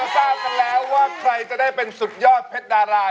ทราบกันแล้วว่าใครจะได้เป็นสุดยอดเพชรดารา